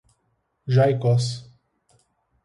Jaicós